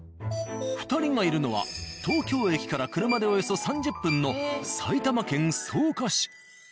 ２人がいるのは東京駅から車でおよそ３０分の埼玉県草加市。